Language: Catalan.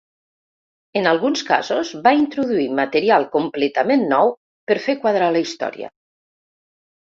En alguns casos, va introduir material completament nou per fer quadrar la història.